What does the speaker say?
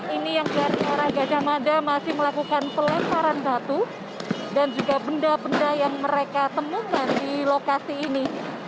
ini yang dari arah gajah mada masih melakukan pelemparan batu dan juga benda benda yang mereka temukan di lokasi ini